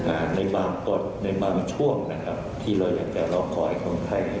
ในบางกฎในบางช่วงนะครับที่เราอยากจะรอคอยคนไข้